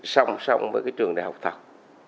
song song với cái trường đại học thật